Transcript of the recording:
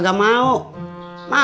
bukannya gua kagak mau